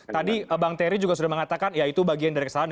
tadi bang terry juga sudah mengatakan ya itu bagian dari kesalahan